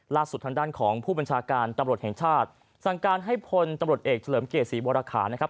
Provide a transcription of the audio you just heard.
ล่าสุดทางด้านของผู้บัญชาการตำรวจแห่งชาติสั่งการให้พลตำรวจเอกเฉลิมเกียรติศรีวรคานะครับ